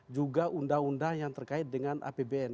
juga undang undang yang terkait dengan apbn